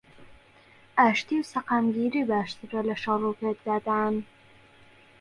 ئاشتی و سەقامگیری باشترە لەشەڕ و پێکدادان